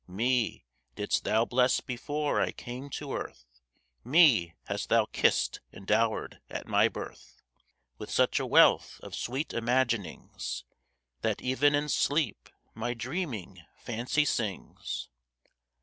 Me, didst thou bless before I came to earth; Me, hast thou kissed, and dowered at my birth, With such a wealth of sweet imaginings, That, even in sleep, my dreaming fancy sings.